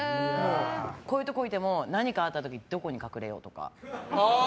こういうとこにいても何かあった時どこに隠れようとか。